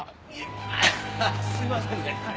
すいませんね。